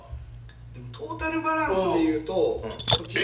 トータルバランスでいうとこちら。